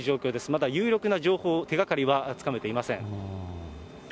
まだ有力な情報、手がかりはつかめていません。